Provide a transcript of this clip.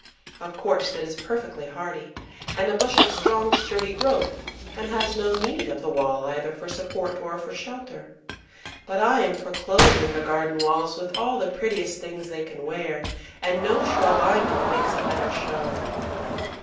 Of course it is perfectly hardy, and a bush of strong, sturdy growth, and has no need of the wall either for support or for shelter; but I am for clothing the garden walls with all the prettiest things they can wear, and no shrub I know makes a better show.